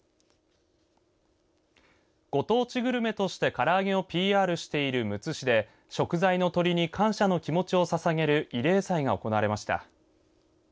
ご当地グルメとしてから揚げをＰＲしているむつ市で食材の鶏に感謝の気持ちをささげる慰霊祭が行われました。